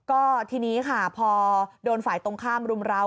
ก็ทีนี้ค่ะพอโดนฝ่ายตรงข้ามรุมราว